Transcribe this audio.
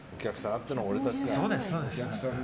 あっての俺たちだ。